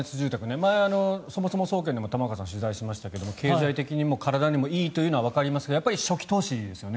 前、そもそも総研でも玉川さん、取材しましたが経済的にも体にもいいというのはわかりますがやっぱり初期投資ですよね。